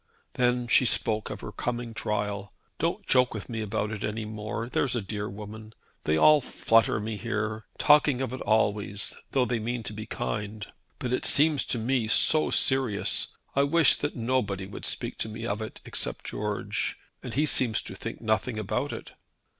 Then she spoke of her coming trial. "Don't joke with me about it any more, there's a dear woman. They all flutter me here, talking of it always, though they mean to be kind. But it seems to me so serious. I wish that nobody would speak to me of it except George, and he seems to think nothing about it."